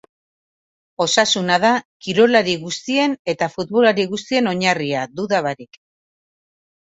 Osasuna da kirolari guztien eta futbolari guztien oinarria, duda barik.